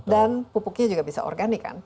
dan pupuknya juga bisa organik kan